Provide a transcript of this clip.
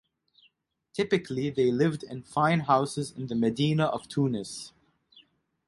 Typically they lived in fine houses in the medina of Tunis.